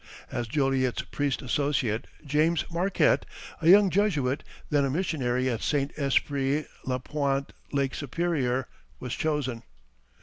As Joliet's priest associate, James Marquette, a young Jesuit, then a missionary at St. Esprit, La Pointe, Lake Superior, was chosen.